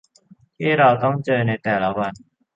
ที่เราต้องเจอในแต่ละวัน